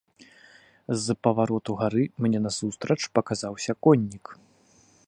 З павароту гары мне насустрач паказаўся коннік.